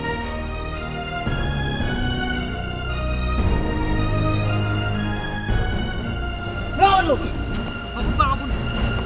ibu kenapa takut masa diambil